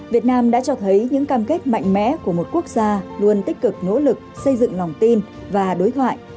việt nam đã cho thấy những cam kết mạnh mẽ của một quốc gia luôn tích cực nỗ lực xây dựng lòng tin và đối thoại